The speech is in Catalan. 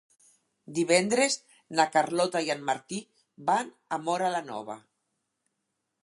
Divendres na Carlota i en Martí van a Móra la Nova.